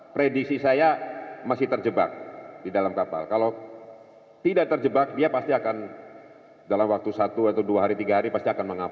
prediksi saya masih terjebak di dalam kapal